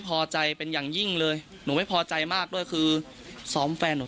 พอใจเป็นอย่างยิ่งเลยหนูไม่พอใจมากด้วยคือซ้อมแฟนหนู